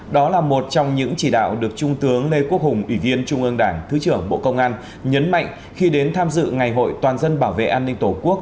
đó là một trong những chỉ đạo được trung tướng lê quốc hùng ủy viên trung ương đảng thứ trưởng bộ công an nhấn mạnh khi đến tham dự ngày hội toàn dân bảo vệ an ninh tổ quốc